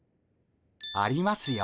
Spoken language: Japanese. ありますよ